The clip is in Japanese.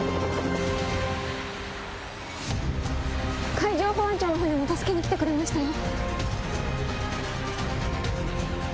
海上保安庁の船も助けにきてくれましたよ。